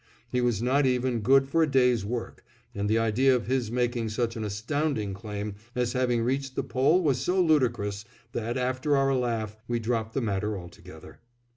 He was not even good for a day's work, and the idea of his making such an astounding claim as having reached the Pole was so ludicrous that, after our laugh, we dropped the matter altogether.